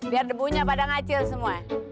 biar debunya pada ngacil semua